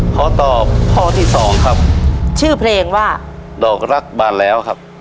ขอตอบข้อที่สองครับชื่อเพลงว่าดอกรักบานแล้วครับ